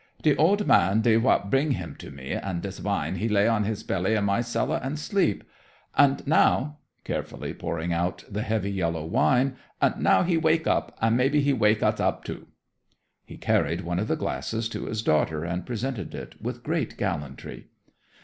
"De old man die what bring him to me, an' dis wine he lay on his belly in my cellar an' sleep. An' now," carefully pouring out the heavy yellow wine, "an' now he wake up; and maybe he wake us up, too!" He carried one of the glasses to his daughter and presented it with great gallantry.